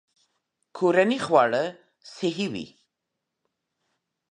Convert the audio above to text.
کورني خواړه صحي وي.